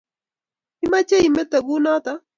Imache imete kunoto?